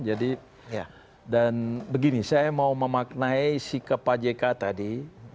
jadi dan begini saya mau memaknai sikap pak jk tadi